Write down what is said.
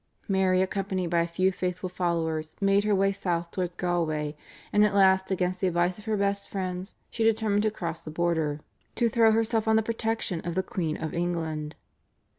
Mary accompanied by a few faithful followers made her way south towards Galloway, and at last against the advice of her best friends she determined to cross the border to throw herself on the protection of the Queen of England.